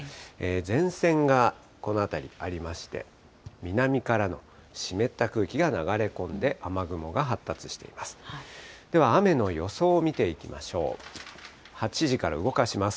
前線がこの辺りありまして、南からの湿った空気が流れ込んで、雨雲が発達しています。